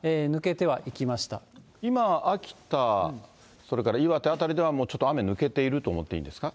今、今、秋田、それから岩手辺りでは、もうちょっと雨、抜けていると思っていいんですか？